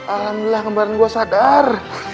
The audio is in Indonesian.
alhamdulillah kembaran gue sadar